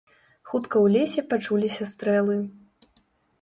Хутка у лесе пачуліся стрэлы.